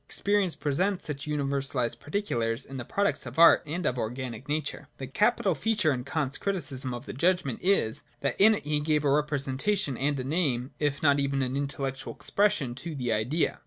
Experience presents such univer salised particulars in the products of Art and of organic nature. The capital feature in Kant's Criticism of the Judg ment is, that in it he gave a representation and a name, if not even an intellectual expression, to the Idea.